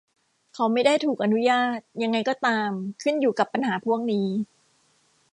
เขาไม่ได้ถูกอนุญาต ยังไงก็ตาม ขึ้นอยู่กับปัญหาพวกนี้